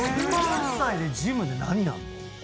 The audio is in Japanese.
１８歳でジムで何やるの？